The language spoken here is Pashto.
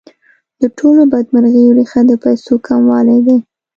د ټولو بدمرغیو ریښه د پیسو کموالی دی.